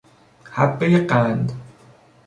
حبهی قند